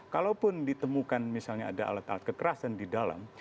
kalaupun ditemukan misalnya ada alat alat kekerasan di dalam